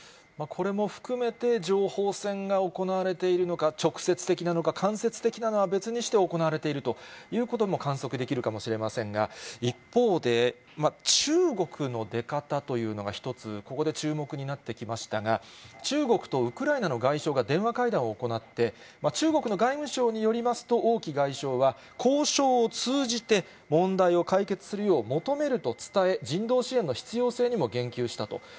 これも含めて情報戦が行われているのか、直接的なのか、間接的なのは別にして、行われているということも観測できるかもしれませんが、一方で、中国の出方というのが一つ、ここで注目になってきましたが、中国とウクライナの外相が電話会談を行って、中国の外務省によりますと、王毅外相は、交渉を通じて、問題を解決するよう、求めると伝え、人道支援の必要性にも言及したと。